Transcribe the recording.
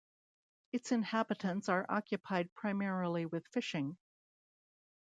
Its inhabitants are occupied primarily with fishing.